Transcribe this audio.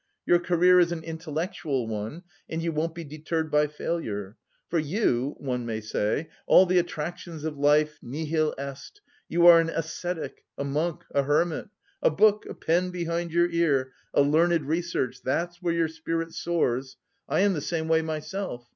Your career is an intellectual one and you won't be deterred by failure. For you, one may say, all the attractions of life nihil est you are an ascetic, a monk, a hermit!... A book, a pen behind your ear, a learned research that's where your spirit soars! I am the same way myself....